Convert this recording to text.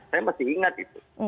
saya masih ingat itu